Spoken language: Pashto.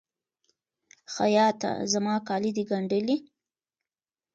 خیاطه! زما کالي د ګنډلي؟